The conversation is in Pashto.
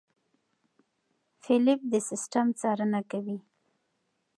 فېلېپ د سیستم څارنه کوي.